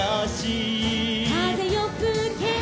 「かぜよふけ」